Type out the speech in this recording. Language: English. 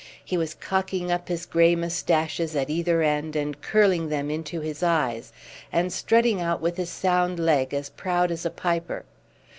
He was cocking up his grey moustaches at either end and curling them into his eyes, and strutting out with his sound leg as proud as a piper.